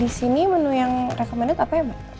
disini menu yang recommended apa ya mbak